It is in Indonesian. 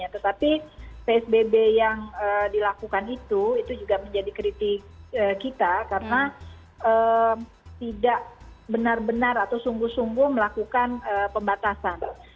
tetapi psbb yang dilakukan itu itu juga menjadi kritik kita karena tidak benar benar atau sungguh sungguh melakukan pembatasan